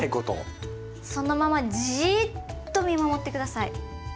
そのままじっと見守って下さい。